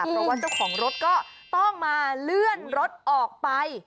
เพราะว่าเจ้าของรถก็ต้องมาเลื่อนรถออกไป